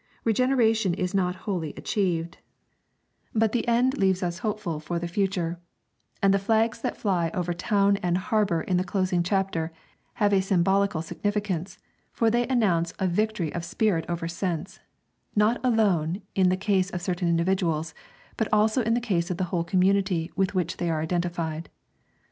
Regeneration is not wholly achieved, but the end leaves us hopeful for the future; and the flags that fly over town and harbor in the closing chapter have a symbolical significance, for they announce a victory of spirit over sense, not alone in the case of certain individuals, but also in the case of the whole community with which they are identified.